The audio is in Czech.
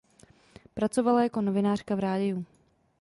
Pracovala jako novinářka v rádiu.